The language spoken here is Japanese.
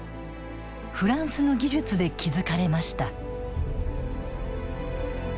フランスの技術で築かれました。